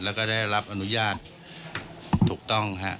แล้วก็ได้รับอนุญาตถูกต้องฮะ